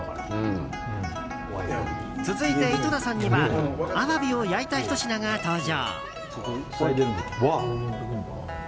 続いて、井戸田さんにはアワビを焼いた一品が登場。